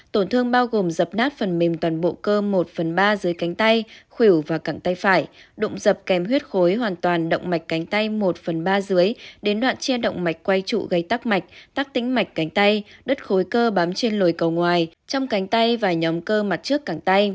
tổn thương bao gồm dập nát phần mềm toàn bộ cơm một phần ba dưới cánh tay khử và cẳng tay phải động dập kèm huyết khối hoàn toàn động mạch cánh tay một phần ba dưới đến đoạn che động mạch quay trụ gây tắc mạch tắc tĩnh mạch cánh tay đất khối cơ bám trên lồi cầu ngoài trong cánh tay và nhóm cơ mặt trước cẳng tay